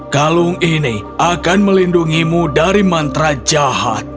kalung ini akan melindungimu dari mantra jahat